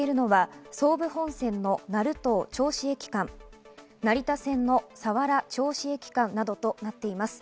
運休を予定しているのは総武本線の成東ー銚子駅間、成田線の佐原−銚子駅間などとなっています。